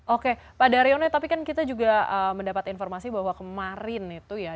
oke pak daryono tapi kan kita juga mendapat informasi bahwa kemarin itu ya